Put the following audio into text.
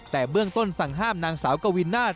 แต่เบื้องต้นสั่งห้ามนางสาวกวินาศ